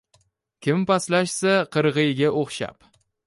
Kim pastlashsa qirg’iyga o’xshab